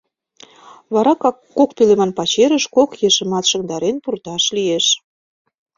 Вара кок пӧлеман пачерыш кок ешымат шыҥдарен пурташ лиеш.